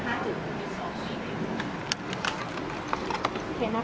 สวัสดีครับ